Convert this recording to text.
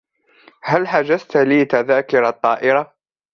هل حجزت لي تذاكر الطائرة؟